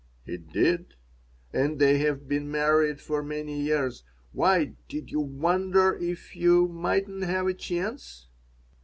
"He did, and they have been married for many years. Why, did you wonder if you mightn't have a chance?"